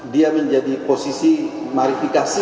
dia menjadi posisi marifikasi